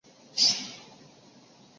父亲是南华县丞。